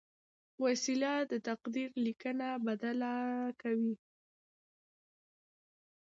وسله د تقدیر لیکنه بدله کوي